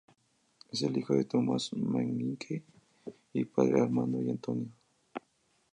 Es el hijo de Tomás Manrique y padre de Armando y Antonio.